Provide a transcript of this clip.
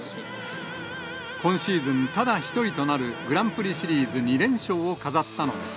今シーズン、ただ一人となるグランプリシリーズ２連勝を飾ったのです。